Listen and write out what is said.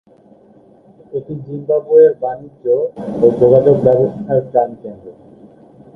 এটি জিম্বাবুয়ের বাণিজ্য ও যোগাযোগ ব্যবস্থার প্রাণকেন্দ্র।